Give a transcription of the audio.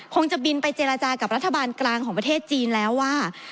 คงจะบินไปเจรจากับรัฐบาลกลางของประเทศจีนแล้วว่า